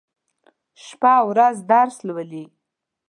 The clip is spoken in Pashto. شپه او ورځ درس لولي.